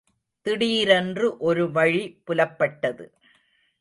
திடீரென்று ஒரு வழி புலப்பட்டது.